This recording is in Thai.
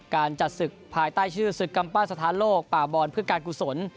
การจัดศึกภายใต้ชื่อศึกกำปั้นสถานโลกป่าบอลเพื่อการกุศล